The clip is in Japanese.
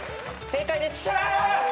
正解です！